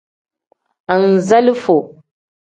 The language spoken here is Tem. Anzalifo.